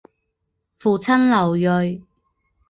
父亲刘锐。